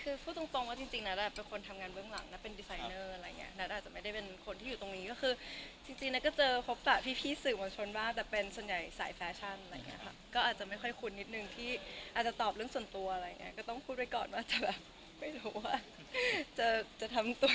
คือพูดตรงว่าจริงนัทเป็นคนทำงานเบื้องหลังนัทเป็นดีไซเนอร์อะไรอย่างเงี้นัทอาจจะไม่ได้เป็นคนที่อยู่ตรงนี้ก็คือจริงนัทก็เจอพบฝากพี่สื่อมวลชนบ้างแต่เป็นส่วนใหญ่สายแฟชั่นอะไรอย่างเงี้ค่ะก็อาจจะไม่ค่อยคุ้นนิดนึงที่อาจจะตอบเรื่องส่วนตัวอะไรอย่างเงี้ก็ต้องพูดไว้ก่อนว่าจะไม่รู้ว่าจะจะทำตัว